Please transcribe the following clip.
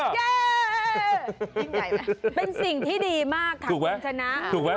เป็นสิ่งที่ดีมากค่ะคุณชนะ